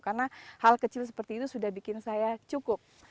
karena hal kecil seperti itu sudah bikin saya cukup